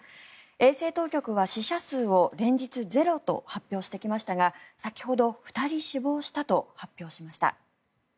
衛生当局は死者数を連日ゼロと発表してきましたが先ほど、２人死亡したと発表しました。